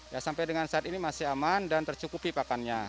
ya sampai dengan saat ini masih aman dan tercukupi pakannya